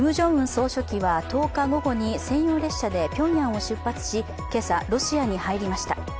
総書記は１０日午後に専用列車でピョンヤンを出発し今朝、ロシアに入りました。